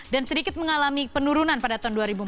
dan sedikit mengalami penurunan pada tahun dua ribu empat belas